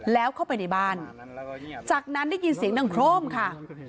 แล้วเข้าไปในบ้านจากนั้นได้ยินเสียงดังโครมค่ะ